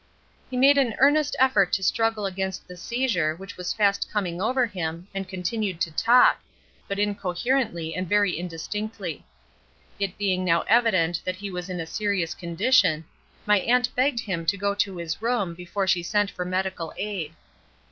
He made an earnest effort to struggle against the seizure which was fast coming over him, and continued to talk, but incoherently and very indistinctly. It being now evident that he was in a serious condition, my aunt begged him to go to his room before she sent for medical aid.